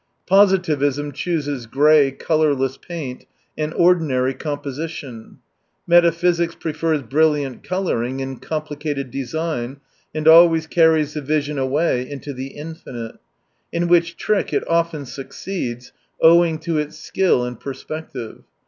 Positivism chooses grey, colourless paint and ordinary composition; metaphysics prefers brilliant colouring and complicated design, and always carries the vision away into the infinite ; in which trick it often succeeds, owing to its skill in perspective.